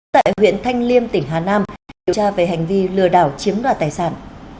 tại huyện thanh liêm tỉnh hà nam điều tra về hành vi lừa đảo chiếm đoạt tài sản